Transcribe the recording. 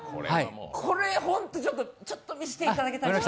これほんと、ちょっと見せていただけたら。